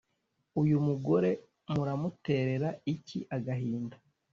Uyu mugore muramuterera iki agahinda